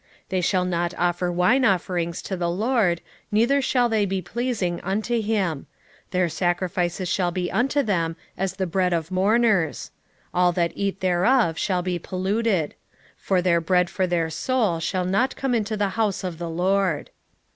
9:4 They shall not offer wine offerings to the LORD, neither shall they be pleasing unto him: their sacrifices shall be unto them as the bread of mourners; all that eat thereof shall be polluted: for their bread for their soul shall not come into the house of the LORD.